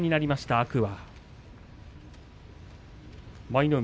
天空海。